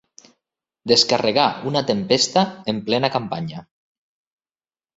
Descarregar una tempesta en plena campanya.